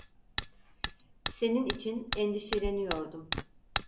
Senin için endişeleniyordum.